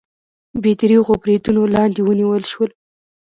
بې درېغو بریدونو لاندې ونیول شول